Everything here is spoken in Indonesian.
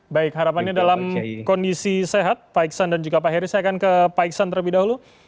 baik harapannya dalam kondisi sehat pak iksan dan juga pak heri saya akan ke pak iksan terlebih dahulu